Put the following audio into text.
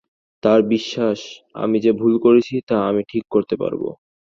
তার বিশ্বাস, আমি যে ভুল করেছি তা আমি ঠিক করতে পারব।